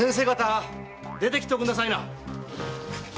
出てきておくんなさいな！